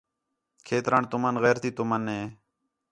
کھیتران تُمن غیرتی تُمن ہے